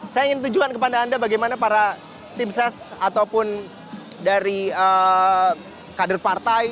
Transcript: saya ingin tunjukkan kepada anda bagaimana para tim ses ataupun dari kader partai